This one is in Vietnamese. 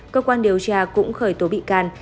cơ quan điều tra cũng khởi tố bị can